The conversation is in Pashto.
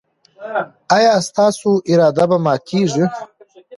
ایا ستاسو اراده به ماتیږي؟